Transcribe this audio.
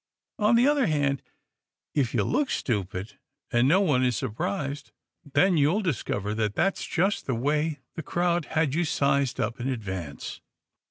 On the other hand, if you look stupid, and no one is surprised, then you'll discover that that's just the way the crowd had you sized up in advance."